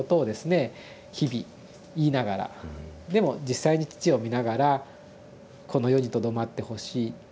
日々言いながらでも実際に父を見ながらこの世にとどまってほしい。